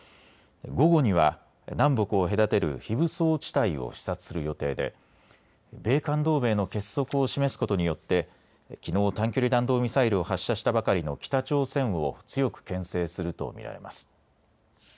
午後には南北を隔てる非武装地帯を視察する予定で米韓同盟の結束を示すことによってきのう、短距離弾道ミサイルを発射したばかりの北朝鮮を強くけん制すると見られます。